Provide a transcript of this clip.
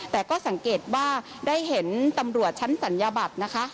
แต่ก็สังเกตว่าได้เห็นตำรวจชั้นศัลยบัตรนะคะ